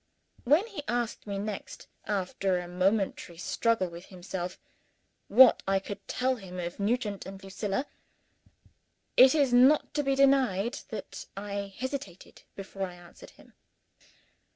When he asked me next after a momentary struggle with himself what I could tell him of Nugent and Lucilla, it is not to be denied that I hesitated before I answered him.